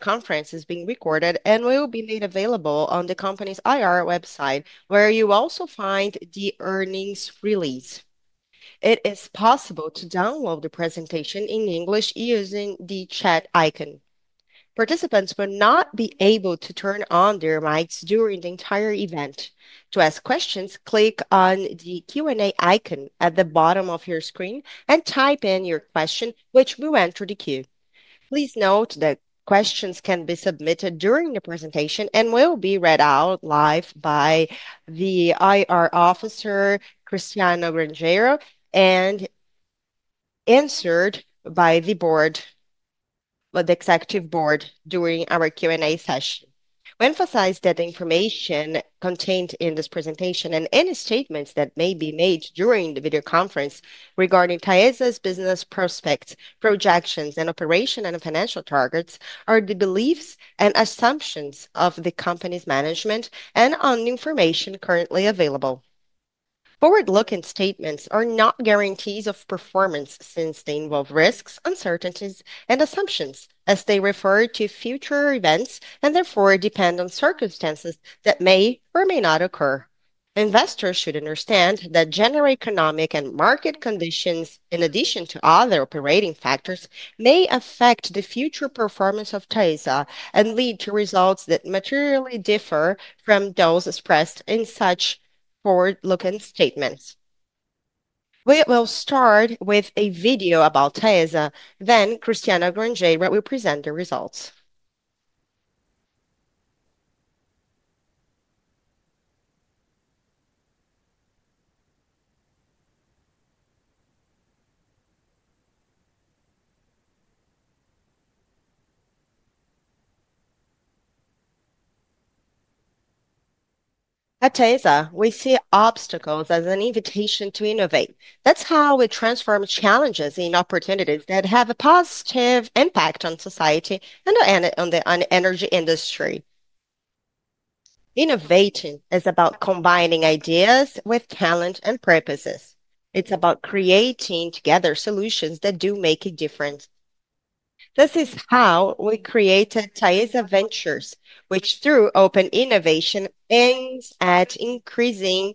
Conference is being recorded, and will be made available on the company's IR website, where you also find the earnings release. It is possible to download the presentation in English using the chat icon. Participants will not be able to turn on their mics during the entire event. To ask questions, click on the Q&A icon at the bottom of your screen and type in your question, which will enter the queue. Please note that questions can be submitted during the presentation and will be read out live by the IR Officer, Cristiano Granjero, and answered by the board, by the executive board, during our Q&A session. We emphasize that the information contained in this presentation and any statements that may be made during the video conference regarding TAESA's business prospects, projections, and operational and financial targets are the beliefs and assumptions of the company's management and on the information currently available. Forward-looking statements are not guarantees of performance since they involve risks, uncertainties, and assumptions, as they refer to future events and therefore depend on circumstances that may or may not occur. Investors should understand that general economic and market conditions, in addition to other operating factors, may affect the future performance of TAESA and lead to results that materially differ from those expressed in such forward-looking statements. We will start with a video about TAESA, then Cristiano Granjero will present the results. At TAESA, we see obstacles as an invitation to innovate. That's how we transform challenges into opportunities that have a positive impact on society and on the energy industry. Innovating is about combining ideas with talent and purposes. It's about creating together solutions that do make a difference. This is how we created TAESA Ventures, which through open innovation aims at increasing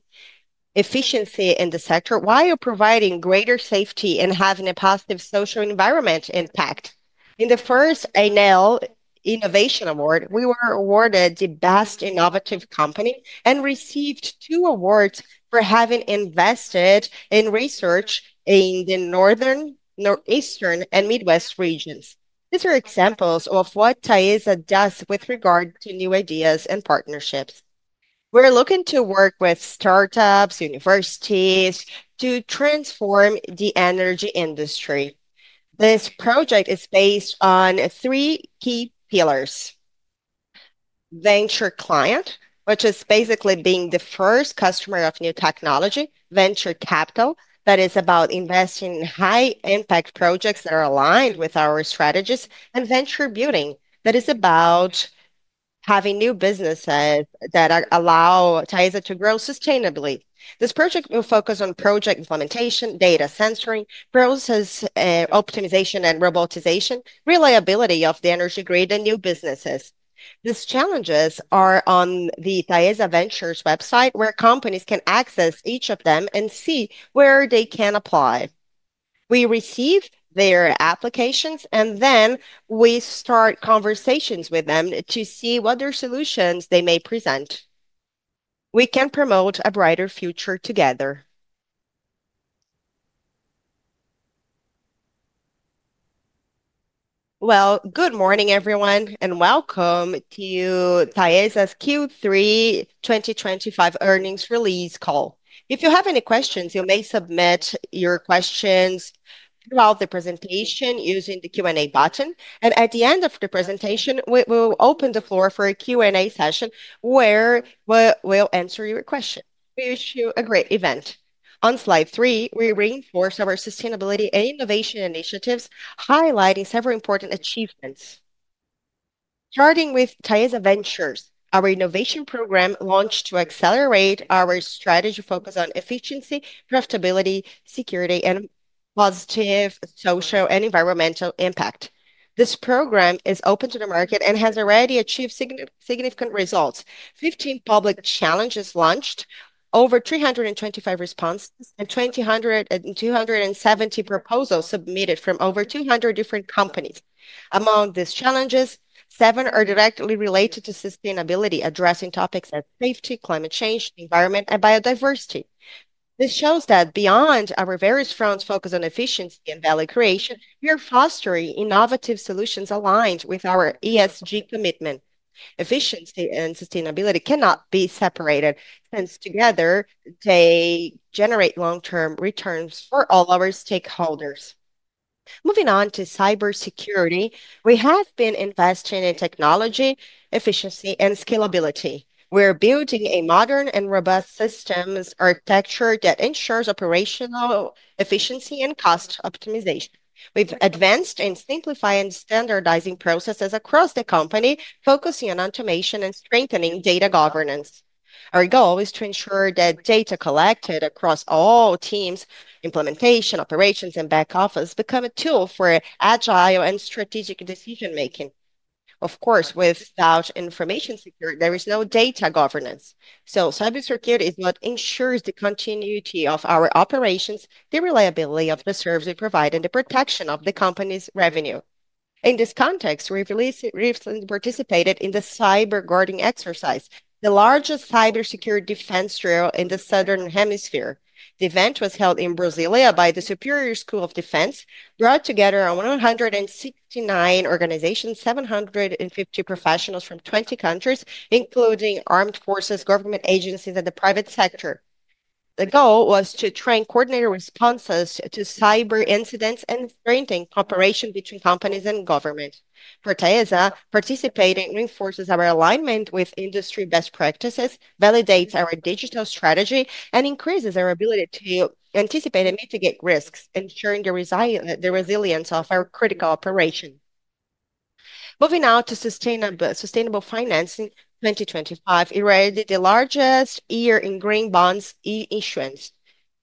efficiency in the sector while providing greater safety and having a positive social environment impact. In the first Enel Innovation Award, we were awarded the Best Innovative Company and received two awards for having invested in research in the northern, northeastern, and midwest regions. These are examples of what TAESA does with regard to new ideas and partnerships. We're looking to work with startups, universities to transform the energy industry. This project is based on three key pillars: Venture Client, which is basically being the first customer of new technology; Venture Capital, that is about investing in high-impact projects that are aligned with our strategies; and Venture Building, that is about having new businesses that allow TAESA to grow sustainably. This project will focus on project implementation, data sensoring, process optimization, and robotization, reliability of the energy grid, and new businesses. These challenges are on the TAESA Ventures website, where companies can access each of them and see where they can apply. We receive their applications, and then we start conversations with them to see what their solutions they may present. We can promote a brighter future together. Good morning, everyone, and welcome to TAESA's Q3 2025 earnings release call. If you have any questions, you may submit your questions throughout the presentation using the Q&A button. At the end of the presentation, we will open the floor for a Q&A session where we will answer your questions. We wish you a great event. On slide three, we reinforce our sustainability and innovation initiatives, highlighting several important achievements. Starting with TAESA Ventures, our innovation program launched to accelerate our strategy focus on efficiency, profitability, security, and positive social and environmental impact. This program is open to the market and has already achieved significant results. Fifteen public challenges launched, over 325 responses, and 270 proposals submitted from over 200 different companies. Among these challenges, seven are directly related to sustainability, addressing topics like safety, climate change, environment, and biodiversity. This shows that beyond our various fronts focused on efficiency and value creation, we are fostering innovative solutions aligned with our ESG commitment. Efficiency and sustainability cannot be separated, since together they generate long-term returns for all our stakeholders. Moving on to cybersecurity, we have been investing in technology, efficiency, and scalability. We're building a modern and robust systems architecture that ensures operational efficiency and cost optimization. We've advanced and simplified standardizing processes across the company, focusing on automation and strengthening data governance. Our goal is to ensure that data collected across all teams, implementation, operations, and back office become a tool for agile and strategic decision-making. Of course, without information security, there is no data governance. Cybersecurity is what ensures the continuity of our operations, the reliability of the services provided, and the protection of the company's revenue. In this context, we recently participated in the Cyber Guarding Exercise, the largest cybersecurity defense drill in the Southern Hemisphere. The event was held in Brasília by the Superior School of Defense, brought together 169 organizations, 750 professionals from 20 countries, including armed forces, government agencies, and the private sector. The goal was to train coordinated responses to cyber incidents and strengthen cooperation between companies and government. For TAESA, participating reinforces our alignment with industry best practices, validates our digital strategy, and increases our ability to anticipate and mitigate risks, ensuring the resilience of our critical operations. Moving on to sustainable financing, 2025 eroded the largest year in green bonds issuance.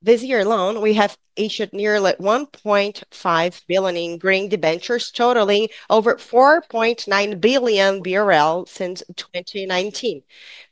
This year alone, we have issued nearly 1.5 billion in green debentures, totaling over 4.9 billion BRL since 2019.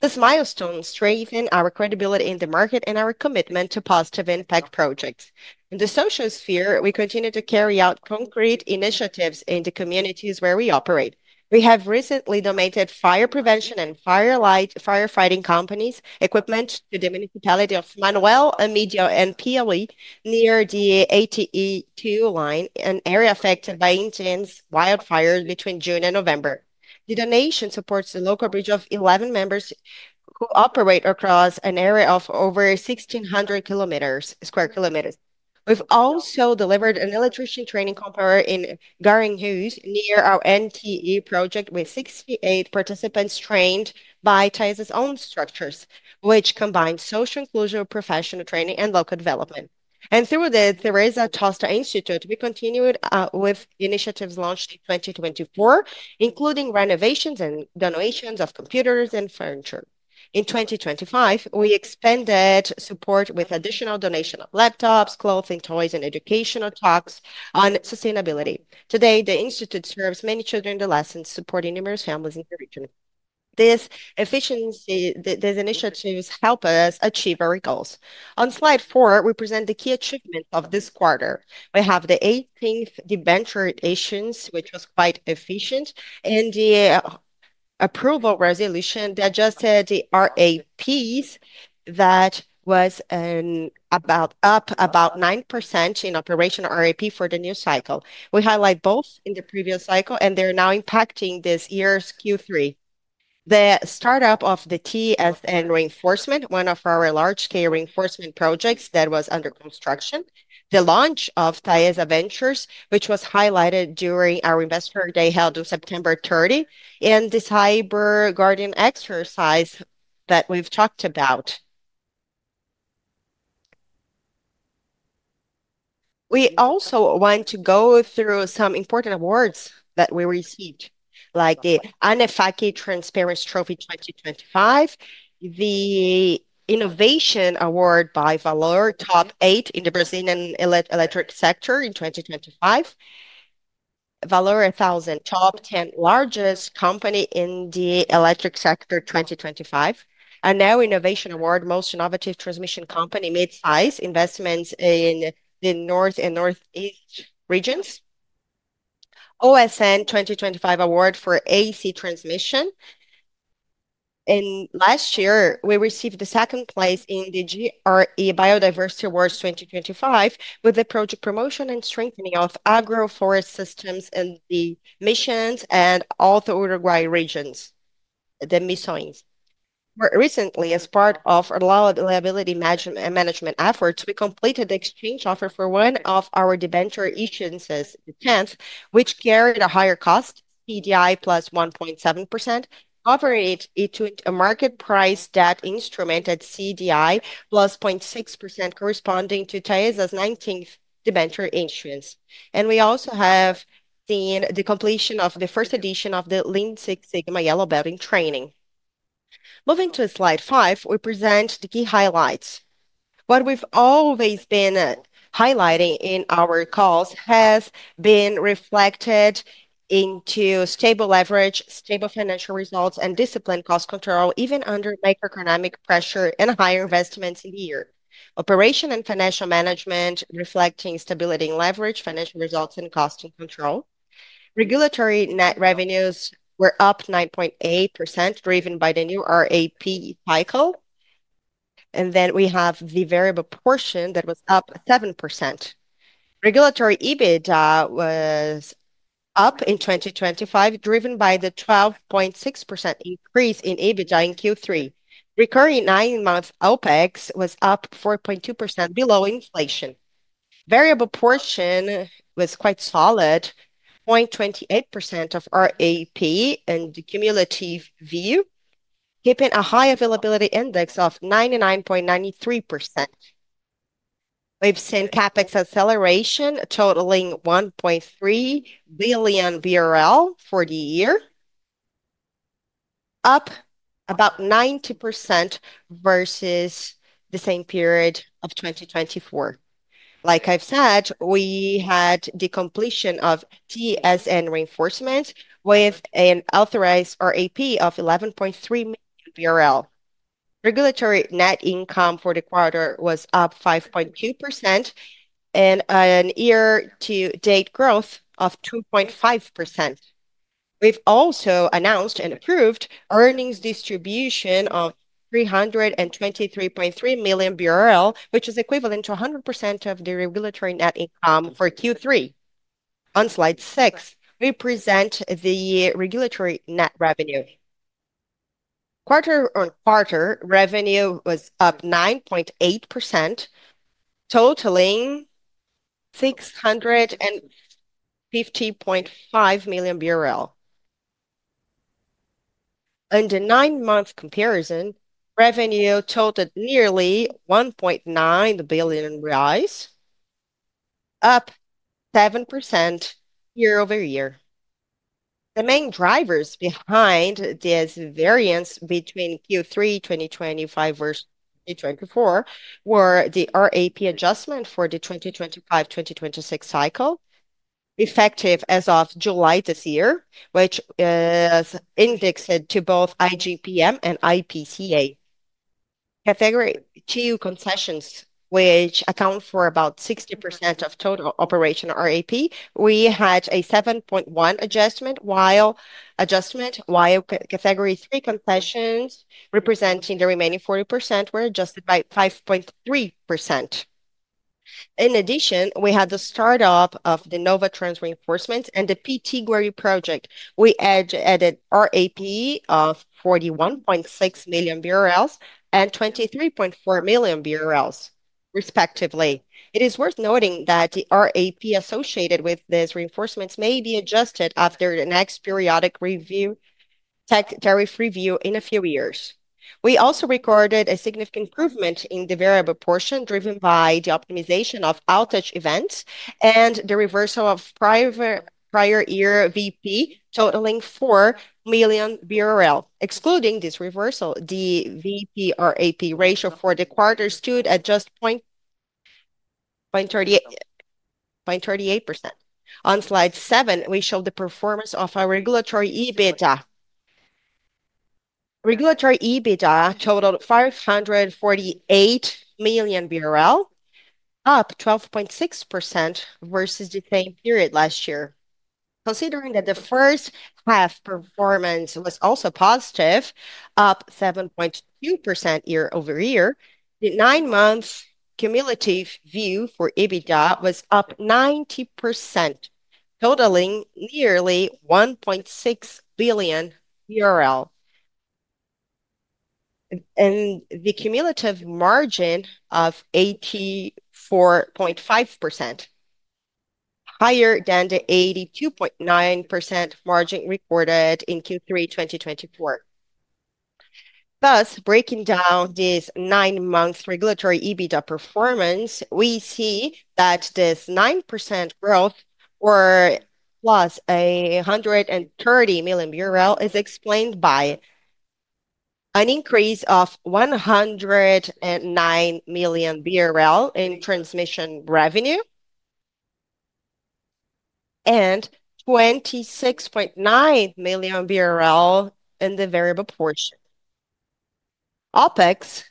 This milestone strengthened our credibility in the market and our commitment to positive impact projects. In the social sphere, we continue to carry out concrete initiatives in the communities where we operate. We have recently donated fire prevention and firefighting equipment to the municipality of Manuel Amídio and Piauí near the ATE2 line in an area affected by intense wildfire between June and November. The donation supports the local brigade of 11 members who operate across an area of over 1,600 sq km. We've also delivered an electricity training compound in Garrinhose, near our NTE project, with 68 participants trained by TAESA's own structures, which combines social inclusion, professional training, and local development. Through the Teresa Tosta Institute, we continued with initiatives launched in 2024, including renovations and donations of computers and furniture. In 2025, we expanded support with additional donations of laptops, clothing, toys, and educational talks on sustainability. Today, the institute serves many children and adolescents, supporting numerous families in the region. This efficiency, these initiatives help us achieve our goals. On slide four, we present the key achievements of this quarter. We have the 18th debenture issuance, which was quite efficient, and the approval resolution that adjusted the RAPs that was up about 9% in operational RAP for the new cycle. We highlight both in the previous cycle, and they are now impacting this year's Q3. The startup of the TSN reinforcement, one of our large-scale reinforcement projects that was under construction, the launch of TAESA Ventures, which was highlighted during our investor day held on September 30, and the Cyber Guarding Exercise that we have talked about. We also want to go through some important awards that we received, like the ANEFACI Transparency Trophy 2025, the Innovation Award by Valor Top 8 in the Brazilian electric sector in 2025, Valor 1,000 Top 10 Largest Company in the Electric Sector 2025, ANEEL Innovation Award, Most Innovative Transmission Company, Mid-Size Investments in the North and Northeast Regions, ONS 2025 Award for AC Transmission. Last year, we received the second place in the GRE Biodiversity Awards 2025 with the project promotion and strengthening of agroforest systems in the Misiones and Alto Uruguay regions, the Misiones. More recently, as part of our liability management efforts, we completed the exchange offer for one of our debenture issuances, the 10th, which carried a higher cost, CDI plus 1.7%, covering it to a market price debt instrument at CDI plus 0.6%, corresponding to TAESA's 19th debenture issuance. We also have seen the completion of the first edition of the Lean Six Sigma Yellow Belt in training. Moving to slide five, we present the key highlights. What we have always been highlighting in our calls has been reflected into stable leverage, stable financial results, and disciplined cost control, even under macroeconomic pressure and higher investments in the year. Operation and financial management reflecting stability in leverage, financial results, and cost control. Regulatory net revenues were up 9.8%, driven by the new RAP cycle. The variable portion was up 7%. Regulatory EBITDA was up in 2025, driven by the 12.6% increase in EBITDA in Q3. Recurring nine-month OPEX was up 4.2%, below inflation. Variable portion was quite solid, 0.28% of RAP and the cumulative VIE, keeping a high availability index of 99.93%. We've seen CAPEX acceleration, totaling 1.3 billion BRL for the year, up about 90% versus the same period of 2024. Like I've said, we had the completion of TSN reinforcements with an authorized RAP of 11.3 million BRL. Regulatory net income for the quarter was up 5.2% and a year-to-date growth of 2.5%. We've also announced and approved earnings distribution of 323.3 million BRL, which is equivalent to 100% of the regulatory net income for Q3. On slide six, we present the regulatory net revenue. Quarter-on-quarter revenue was up 9.8%, totaling 650.5 million BRL. In the nine-month comparison, revenue totaled nearly 1.9 billion reais, up 7% year over year. The main drivers behind this variance between Q3 2025 versus 2024 were the RAP adjustment for the 2025-2026 cycle, effective as of July this year, which is indexed to both IGP-M and IPCA. Category two concessions, which account for about 60% of total operational RAP, we had a 7.1% adjustment, while category three concessions, representing the remaining 40%, were adjusted by 5.3%. In addition, we had the startup of the Novatrans reinforcements and the PT Guerri project. We added RAP of 41.6 million BRL and 23.4 million BRL, respectively. It is worth noting that the RAP associated with these reinforcements may be adjusted after the next periodic review, tech tariff review in a few years. We also recorded a significant improvement in the variable portion, driven by the optimization of outage events and the reversal of prior year VP, totaling 4 million BRL. Excluding this reversal, the VP-RAP ratio for the quarter stood at just 0.38%. On slide seven, we show the performance of our regulatory EBITDA. Regulatory EBITDA totaled 548 million BRL, up 12.6% versus the same period last year. Considering that the first half performance was also positive, up 7.2% year over year, the nine-month cumulative VIE for EBITDA was up 90%, totaling nearly 1.6 billion. The cumulative margin of 84.5% is higher than the 82.9% margin recorded in Q3 2024. Thus, breaking down this nine-month regulatory EBITDA performance, we see that this 9% growth or plus 130 million is explained by an increase of 109 million in transmission revenue and 26.9 million BRL in the variable portion. OPEX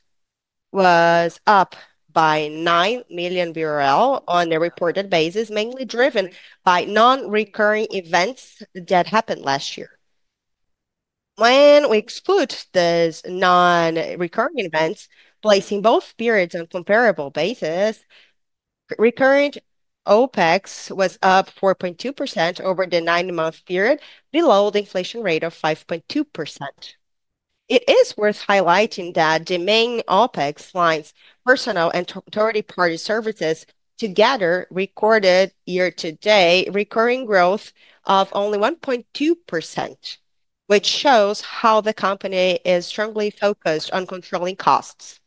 was up by 9 million BRL on a reported basis, mainly driven by non-recurring events that happened last year. When we exclude these non-recurring events, placing both periods on comparable bases, recurrent OPEX was up 4.2% over the nine-month period, below the inflation rate of 5.2%. It is worth highlighting that the main OPEX lines, personnel and third-party services, together recorded year-to-date recurring growth of only 1.2%, which shows how the company is strongly focused on controlling costs.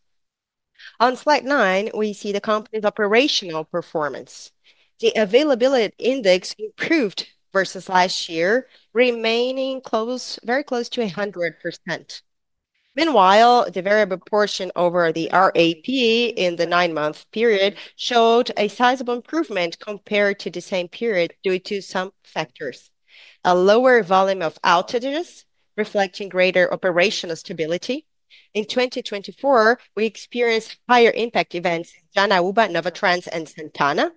On slide nine, we see the company's operational performance. The Availability Index improved versus last year, remaining very close to 100%. Meanwhile, the Variable Portion over the RAP in the nine-month period showed a sizable improvement compared to the same period due to some factors: a lower volume of outages, reflecting greater operational stability. In 2024, we experienced higher impact events: Danuba, Novatrans, and Santana.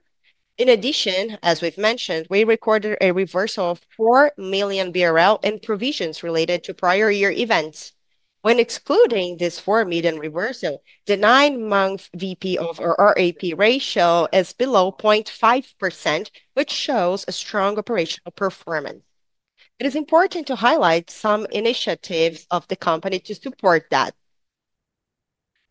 In addition, as we've mentioned, we recorded a reversal of 4 million BRL in provisions related to prior year events. When excluding this 4 million reversal, the nine-month VP over our RAP ratio is below 0.5%, which shows a strong operational performance. It is important to highlight some initiatives of the company to support that: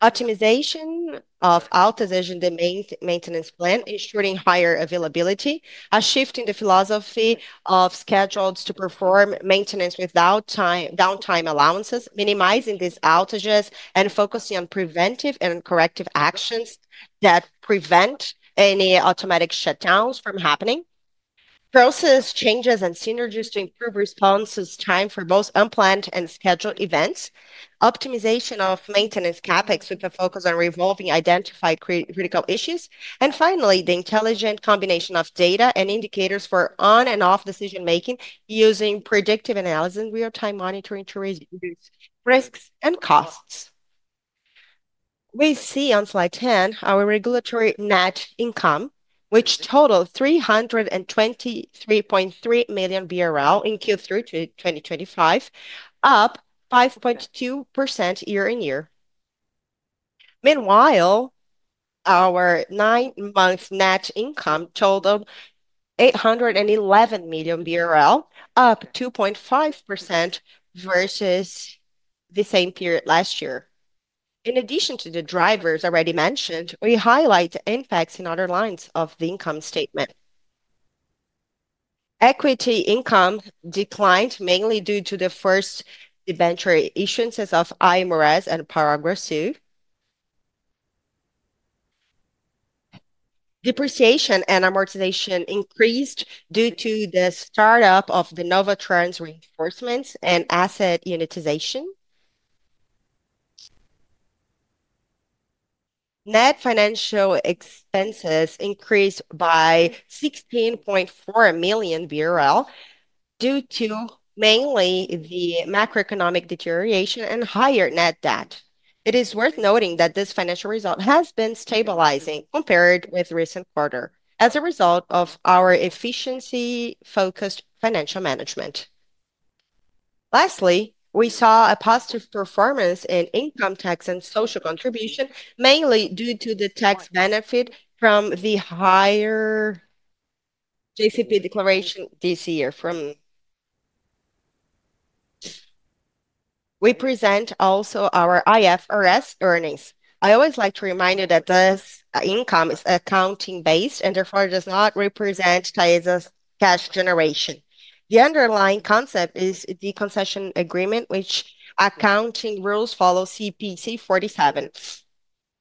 optimization of outages in the maintenance plan, ensuring higher availability; a shift in the philosophy of schedules to perform maintenance without downtime allowances; minimizing these outages and focusing on preventive and corrective actions that prevent any automatic shutdowns from happening; process changes and synergies to improve response time for both unplanned and scheduled events; optimization of maintenance CAPEX with a focus on revolving identifying critical issues; and finally, the intelligent combination of data and indicators for on- and off-decision making using predictive analysis and real-time monitoring to reduce risks and costs. We see on slide 10 our regulatory net income, which totaled 323.3 million BRL in Q3 2025, up 5.2% year-on-year. Meanwhile, our nine-month net income totaled 811 million BRL, up 2.5% versus the same period last year. In addition to the drivers already mentioned, we highlight the impacts in other lines of the income statement. Equity income declined mainly due to the first debenture issuances of IMRS and Power Grid. Depreciation and amortization increased due to the startup of the Novatrans reinforcements and asset unitization. Net financial expenses increased by 16.4 million BRL mainly due to the macroeconomic deterioration and higher net debt. It is worth noting that this financial result has been stabilizing compared with recent quarters as a result of our efficiency-focused financial management. Lastly, we saw a positive performance in income tax and social contribution, mainly due to the tax benefit from the higher JCP declaration this year. We present also our IFRS earnings. I always like to remind you that this income is accounting-based and therefore does not represent TAESA's cash generation. The underlying concept is the concession agreement, which accounting rules follow CPC 47.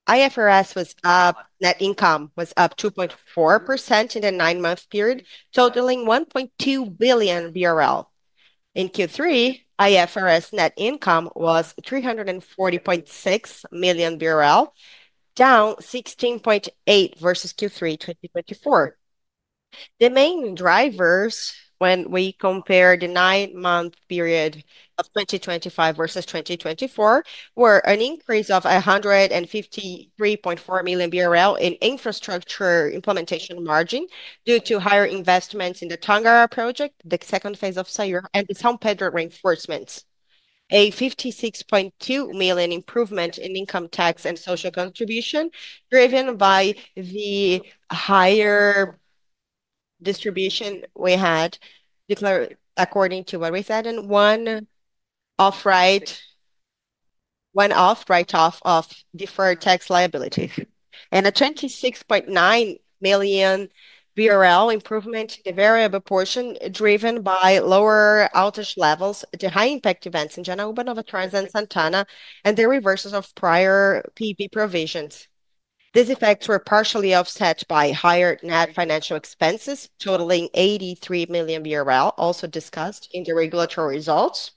IFRS was up; net income was up 2.4% in the nine-month period, totaling 1.2 billion BRL. In Q3, IFRS net income was 340.6 million BRL, down 16.8% versus Q3 2024. The main drivers, when we compare the nine-month period of 2025 versus 2024, were an increase of 153.4 million BRL in infrastructure implementation margin due to higher investments in the Tongara project, the second phase of SAIR, and the San Pedro reinforcements. A 56.2 million improvement in income tax and social contribution, driven by the higher distribution we had declared according to what we said, and one-off write-off of deferred tax liability. A 26.9 million BRL improvement in the variable portion, driven by lower outage levels, the high-impact events in Janaúba, Novatrans, and Santana, and the reversals of prior PB provisions. These effects were partially offset by higher net financial expenses, totaling 83 million BRL, also discussed in the regulatory results.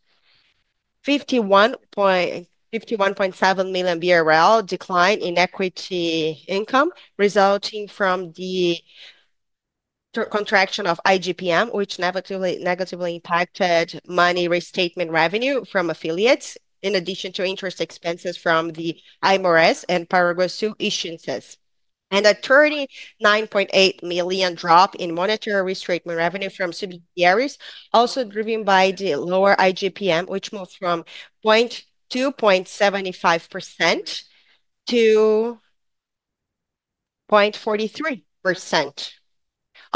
51.7 million BRL decline in equity income resulting from the contraction of IGP-M, which negatively impacted monetary restatement revenue from affiliates, in addition to interest expenses from the IMRS and Power Grid issuances. An additional 9.8 million drop in monetary restatement revenue from subsidiaries, also driven by the lower IGP-M, which moved from 0.75% to 0.43%.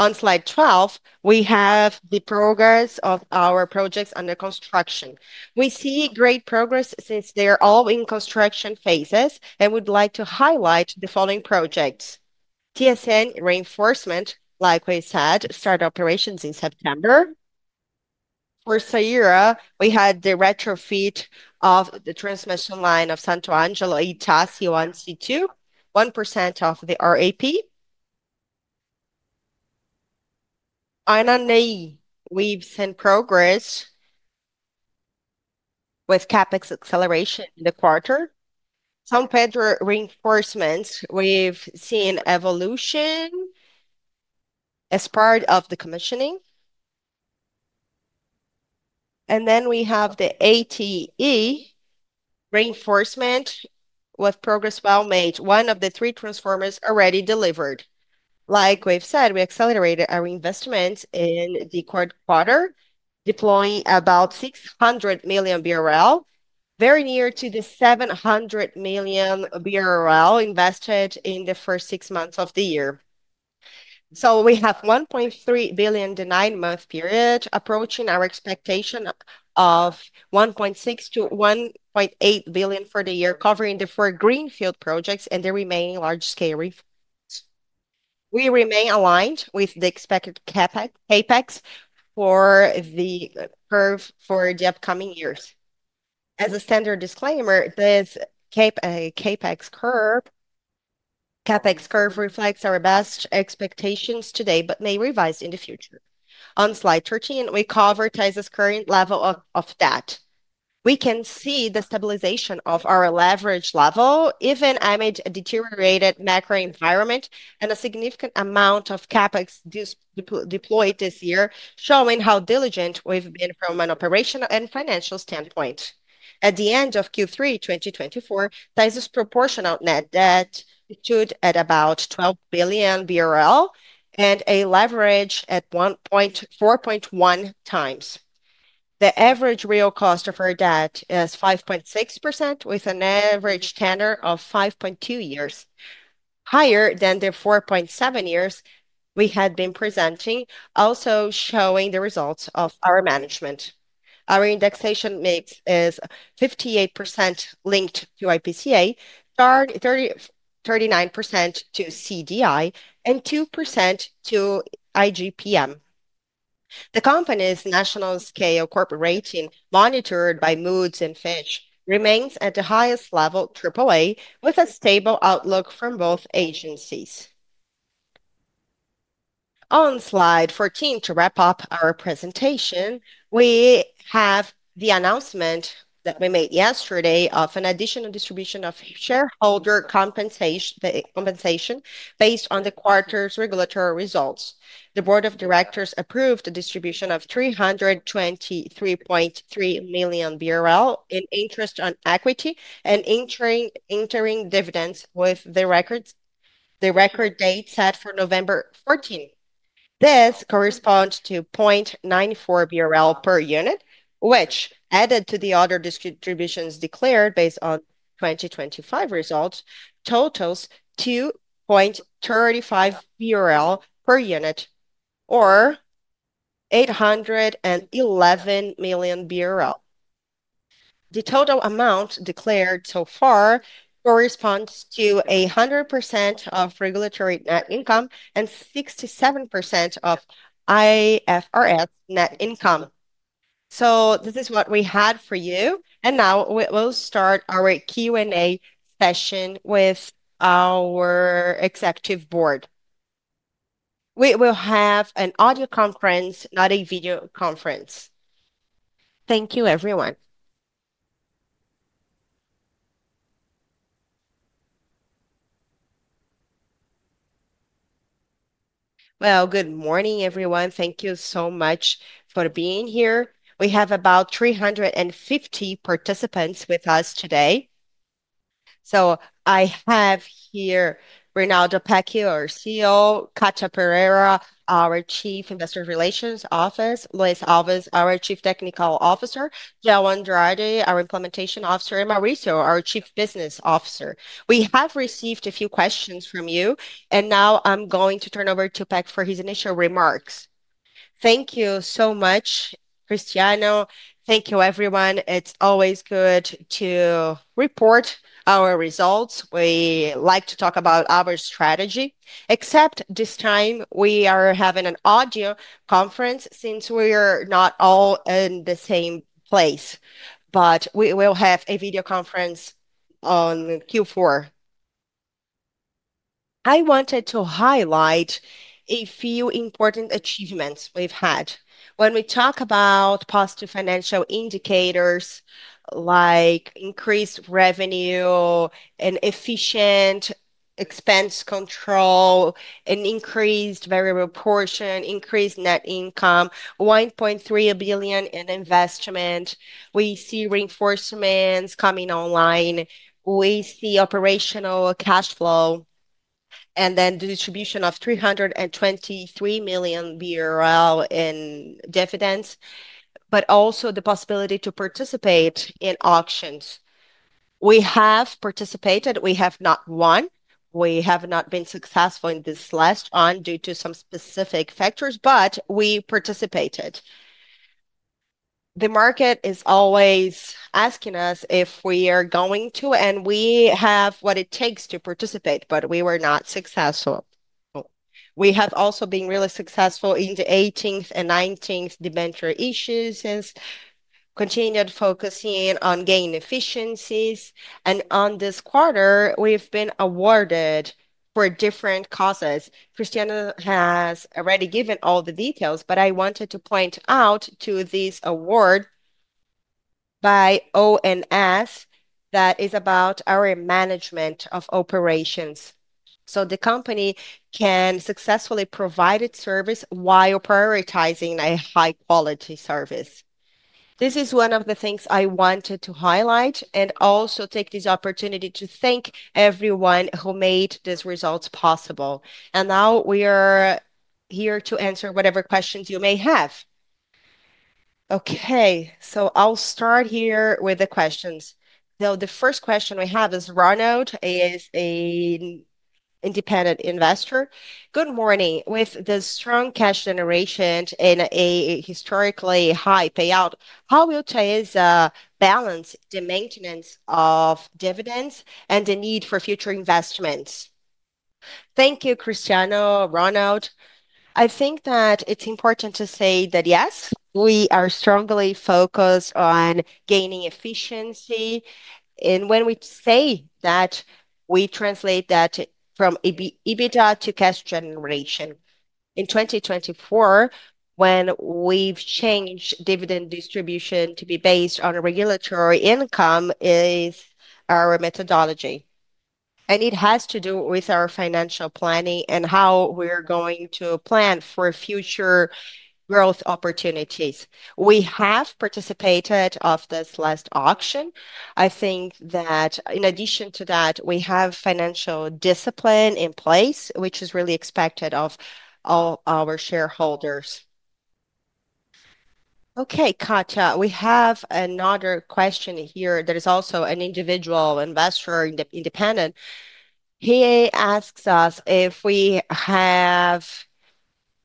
On slide 12, we have the progress of our projects under construction. We see great progress since they are all in construction phases. I would like to highlight the following projects: TSN reinforcement, like we said, started operations in September. For SAIR, we had the retrofit of the transmission line of Santo Ângelo ITA C1C2, 1% of the RAP. On NAE, we have seen progress with CAPEX acceleration in the quarter. San Pedro reinforcements, we've seen evolution as part of the commissioning. And then we have the ATE reinforcement with progress well made, one of the three transformers already delivered. Like we've said, we accelerated our investments in the third quarter, deploying about 600 million BRL, very near to the 700 million BRL invested in the first six months of the year. We have 1.3 billion in the nine-month period, approaching our expectation of 1.6-1.8 billion for the year, covering the four greenfield projects and the remaining large-scale refinance. We remain aligned with the expected CAPEX for the curve for the upcoming years. As a standard disclaimer, this CAPEX curve reflects our best expectations today but may revise in the future. On slide 13, we cover TAESA's current level of debt. We can see the stabilization of our leverage level, even amid a deteriorated macro environment and a significant amount of CAPEX deployed this year, showing how diligent we've been from an operational and financial standpoint. At the end of Q3 2024, TAESA's proportional net debt stood at about 12 billion BRL and a leverage at 1.41 times. The average real cost of our debt is 5.6%, with an average tenor of 5.2 years, higher than the 4.7 years we had been presenting, also showing the results of our management. Our indexation mix is 58% linked to IPCA, 39% to CDI, and 2% to IGP-M. The company's national scale corporate rating, monitored by Moody's and Fitch, remains at the highest level, AAA, with a stable outlook from both agencies. On slide 14, to wrap up our presentation, we have the announcement that we made yesterday of an additional distribution of shareholder compensation based on the quarter's regulatory results. The board of directors approved the distribution of 323.3 million BRL in interest on equity and interim dividends with the record date set for November 14. This corresponds to 0.94 BRL per unit, which, added to the other distributions declared based on 2023 results, totals 2.35 BRL per unit, or 811 million BRL. The total amount declared so far corresponds to 100% of regulatory net income and 67% of IFRS net income. This is what we had for you. Now we will start our Q&A session with our executive board. We will have an audio conference, not a video conference. Thank you, everyone. Good morning, everyone. Thank you so much for being here. We have about 350 participants with us today. I have here Reinaldo Pecchi, our CEO; Katia Pereira, our Chief Investment Relations Officer; Luis Alves, our Chief Technical Officer; Jao Andrade, our Implementation Officer; and Mauricio, our Chief Business Officer. We have received a few questions from you, and now I am going to turn over to Pecchi for his initial remarks. Thank you so much, Cristiano. Thank you, everyone. It is always good to report our results. We like to talk about our strategy, except this time we are having an audio conference since we are not all in the same place, but we will have a video conference on Q4. I wanted to highlight a few important achievements we have had. When we talk about positive financial indicators like increased revenue, efficient expense control, an increased variable portion, increased net income, 1.3 billion in investment, we see reinforcements coming online, we see operational cash flow, and then the distribution of 323 million BRL in dividends, but also the possibility to participate in auctions. We have participated. We have not won. We have not been successful in this last one due to some specific factors, but we participated. The market is always asking us if we are going to, and we have what it takes to participate, but we were not successful. We have also been really successful in the 18th and 19th debenture issues, continued focusing on gain efficiencies, and on this quarter, we've been awarded for different causes. Cristiano has already given all the details, but I wanted to point out this award by ONS that is about our management of operations so the company can successfully provide its service while prioritizing a high-quality service. This is one of the things I wanted to highlight and also take this opportunity to thank everyone who made these results possible. Now we are here to answer whatever questions you may have. Okay, I'll start here with the questions. The first question we have is Ronald, he is an independent investor. Good morning. With the strong cash generation and a historically high payout, how will TAESA balance the maintenance of dividends and the need for future investments? Thank you, Cristiano, Ronald. I think that it's important to say that yes, we are strongly focused on gaining efficiency. When we say that, we translate that from EBITDA to cash generation. In 2024, when we've changed dividend distribution to be based on regulatory income, it is our methodology. It has to do with our financial planning and how we're going to plan for future growth opportunities. We have participated in this last auction. I think that in addition to that, we have financial discipline in place, which is really expected of all our shareholders. Katia, we have another question here that is also an individual investor, independent. He asks us if we have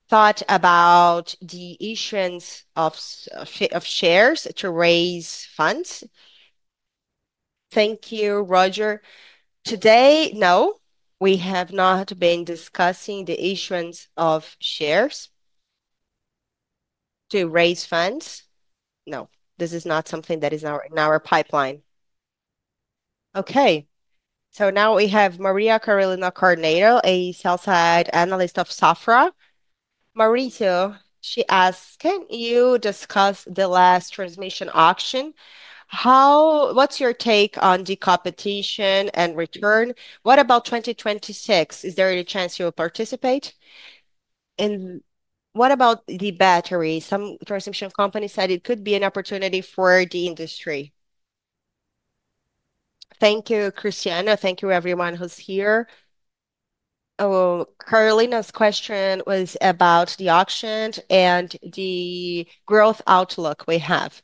thought about the issuance of shares to raise funds. Thank you, Roger. Today, no, we have not been discussing the issuance of shares to raise funds. No, this is not something that is in our pipeline. Now we have Maria Carolina Carneiro, a sell-side analyst of Safra. Mauricio, she asks, can you discuss the last transmission auction? What's your take on the competition and return? What about 2026? Is there a chance you'll participate? What about the battery? Some transmission companies said it could be an opportunity for the industry. Thank you, Cristiano. Thank you, everyone who's here. Carolina's question was about the auction and the growth outlook we have.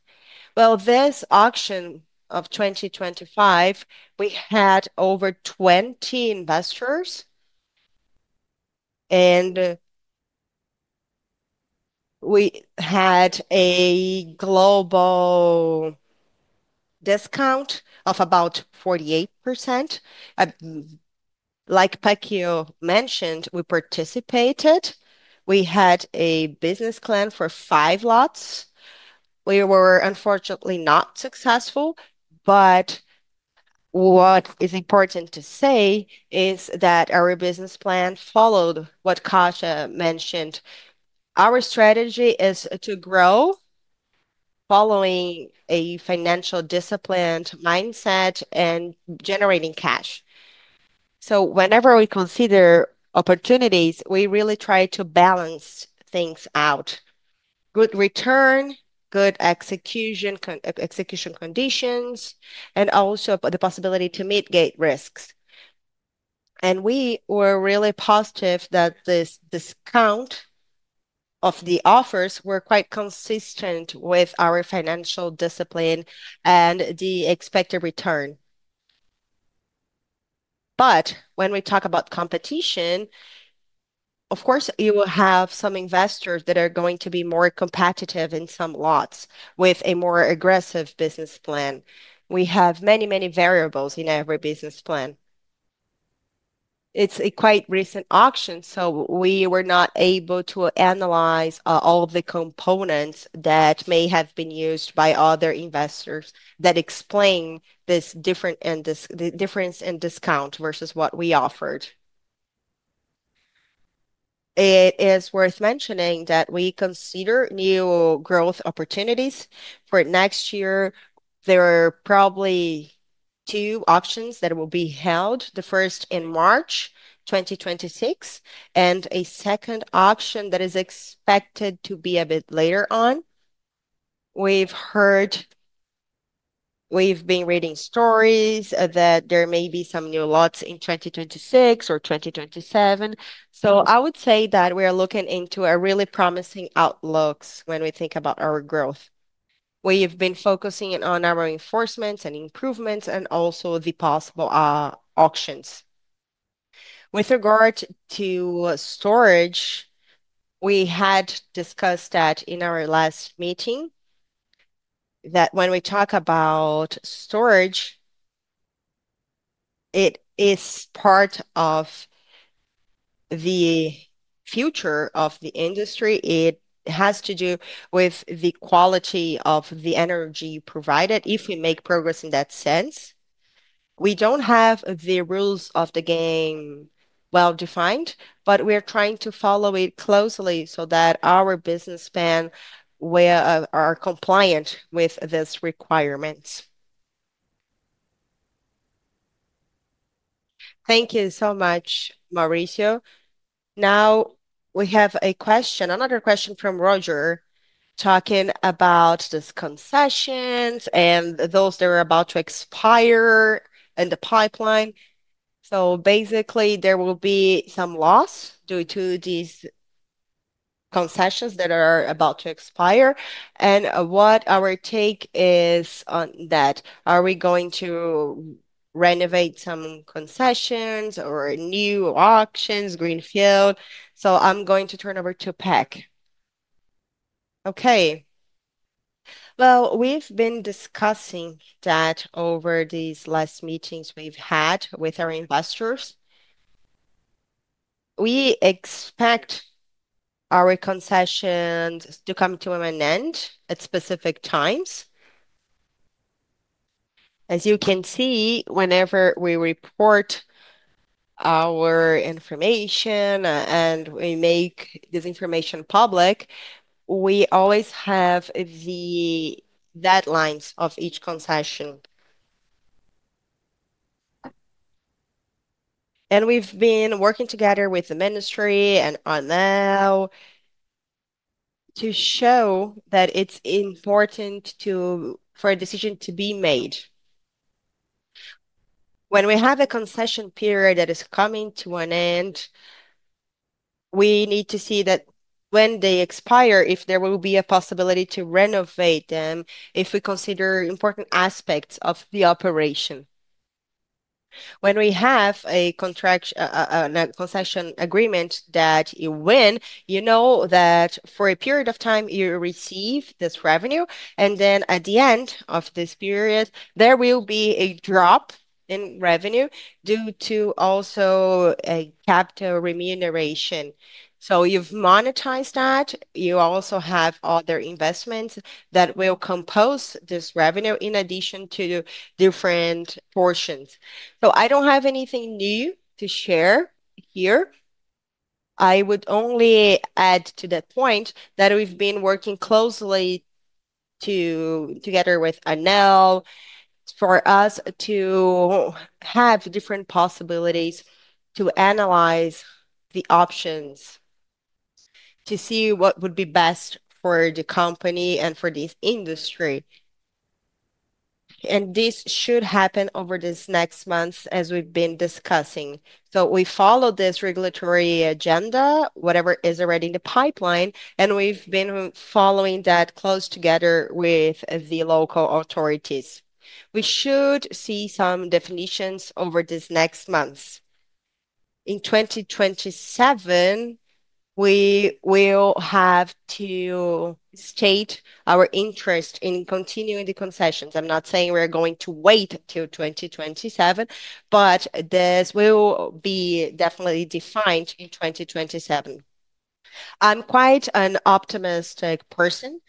This auction of 2025, we had over 20 investors, and we had a global discount of about 48%. Like Pecchi mentioned, we participated. We had a business plan for five lots. We were unfortunately not successful, but what is important to say is that our business plan followed what Katia mentioned. Our strategy is to grow following a financial discipline mindset and generating cash. Whenever we consider opportunities, we really try to balance things out: good return, good execution conditions, and also the possibility to mitigate risks. We were really positive that this discount of the offers was quite consistent with our financial discipline and the expected return. When we talk about competition, of course, you will have some investors that are going to be more competitive in some lots with a more aggressive business plan. We have many, many variables in every business plan. It is a quite recent auction, so we were not able to analyze all of the components that may have been used by other investors that explain this difference in discount versus what we offered. It is worth mentioning that we consider new growth opportunities. For next year, there are probably two auctions that will be held. The first in March 2026, and a second auction that is expected to be a bit later on. We've heard, we've been reading stories that there may be some new lots in 2026 or 2027. I would say that we are looking into really promising outlooks when we think about our growth. We have been focusing on our reinforcements and improvements and also the possible auctions. With regard to storage, we had discussed that in our last meeting, that when we talk about storage, it is part of the future of the industry. It has to do with the quality of the energy provided if we make progress in that sense. We do not have the rules of the game well-defined, but we are trying to follow it closely so that our business plan will be compliant with these requirements. Thank you so much, Mauricio. Now we have a question, another question from Roger, talking about these concessions and those that are about to expire in the pipeline. Basically, there will be some loss due to these concessions that are about to expire. What our take is on that? Are we going to renovate some concessions or new auctions, greenfield? I'm going to turn over to Pecchi. We have been discussing that over these last meetings we have had with our investors. We expect our concessions to come to an end at specific times. As you can see, whenever we report our information and we make this information public, we always have the deadlines of each concession. We have been working together with the ministry and ANEEL to show that it is important for a decision to be made. When we have a concession period that is coming to an end, we need to see that when they expire, if there will be a possibility to renovate them, if we consider important aspects of the operation. When we have a concession agreement that you win, you know that for a period of time you receive this revenue, and then at the end of this period, there will be a drop in revenue due to also a capital remuneration. So you've monetized that. You also have other investments that will compose this revenue in addition to different portions. I don't have anything new to share here. I would only add to that point that we've been working closely together with ANEEL for us to have different possibilities to analyze the options to see what would be best for the company and for this industry. This should happen over these next months as we've been discussing. We follow this regulatory agenda, whatever is already in the pipeline, and we've been following that close together with the local authorities. We should see some definitions over these next months. In 2027, we will have to state our interest in continuing the concessions. I'm not saying we're going to wait till 2027, but this will be definitely defined in 2027. I'm quite an optimistic person.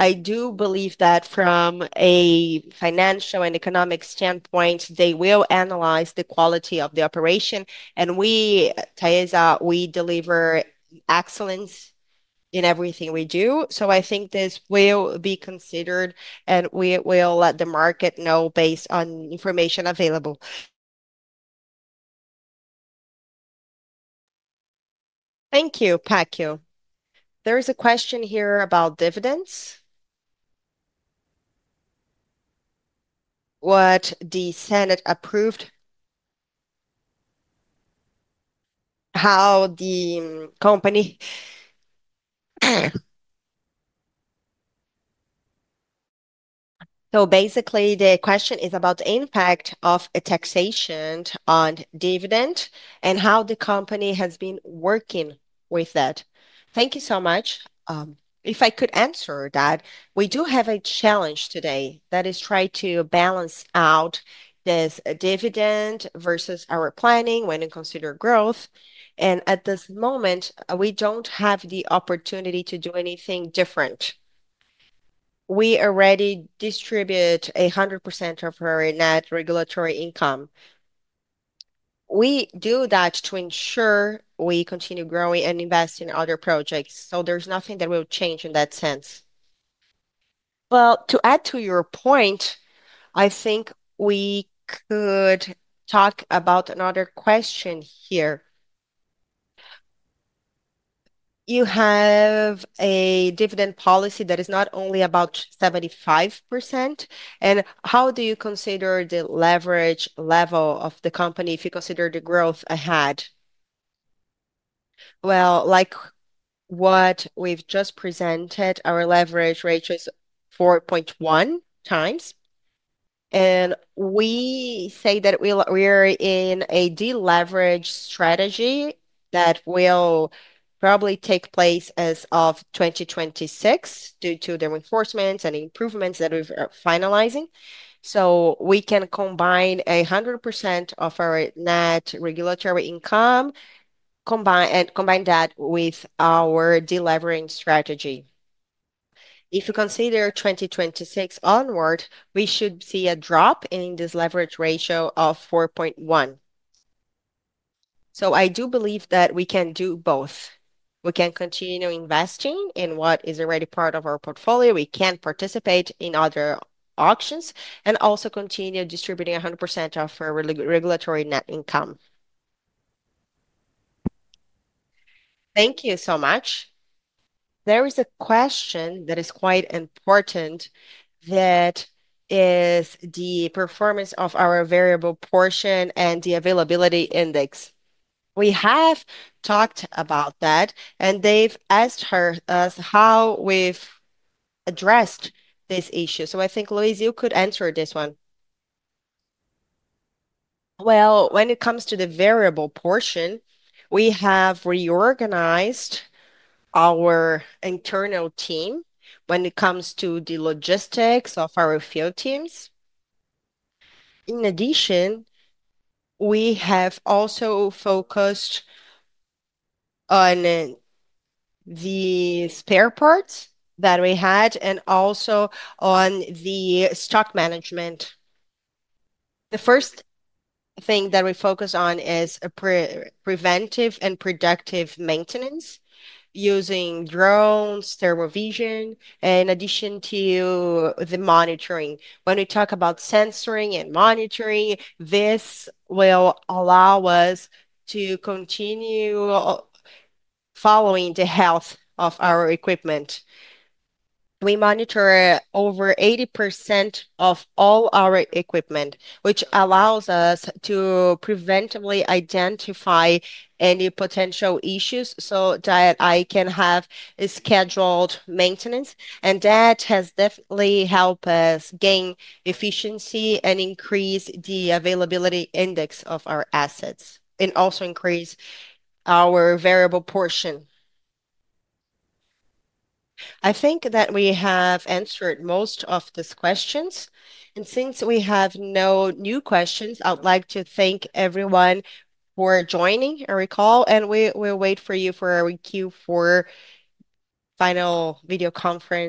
I do believe that from a financial and economic standpoint, they will analyze the quality of the operation. We, TAESA, we deliver excellence in everything we do. I think this will be considered, and we will let the market know based on information available. Thank you, Peckel. There's a question here about dividends. What the Senate approved, how the company. Basically, the question is about the impact of taxation on dividends and how the company has been working with that. Thank you so much. If I could answer that, we do have a challenge today that is trying to balance out this dividend versus our planning when we consider growth. At this moment, we do not have the opportunity to do anything different. We already distribute 100% of our net regulatory income. We do that to ensure we continue growing and investing in other projects. There is nothing that will change in that sense. To add to your point, I think we could talk about another question here. You have a dividend policy that is not only about 75%. How do you consider the leverage level of the company if you consider the growth ahead? Like what we have just presented, our leverage rate is 4.1 times. We say that we are in a deleveraged strategy that will probably take place as of 2026 due to the reinforcements and improvements that we're finalizing. We can combine 100% of our net regulatory income and combine that with our deleveraging strategy. If you consider 2026 onward, we should see a drop in this leverage ratio of 4.1. I do believe that we can do both. We can continue investing in what is already part of our portfolio. We can participate in other auctions and also continue distributing 100% of our regulatory net income. Thank you so much. There is a question that is quite important that is the performance of our variable portion and the availability index. We have talked about that, and they've asked us how we've addressed this issue. I think, Luis, you could answer this one. When it comes to the variable portion, we have reorganized our internal team when it comes to the logistics of our field teams. In addition, we have also focused on the spare parts that we had and also on the stock management. The first thing that we focus on is preventive and productive maintenance using drones, thermal vision, in addition to the monitoring. When we talk about sensoring and monitoring, this will allow us to continue following the health of our equipment. We monitor over 80% of all our equipment, which allows us to preventively identify any potential issues so that I can have scheduled maintenance. That has definitely helped us gain efficiency and increase the Availability Index of our assets and also increase our variable portion. I think that we have answered most of these questions. Since we have no new questions, I'd like to thank everyone for joining our call, and we will wait for you for our Q4 final video conference.